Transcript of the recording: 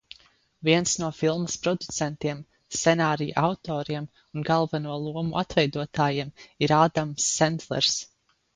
Viens no filmas producentiem, scenārija autoriem un galveno lomu atveidotājiem ir Ādams Sendlers.